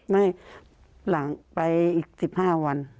ไม่ไปอีก๑๕วัน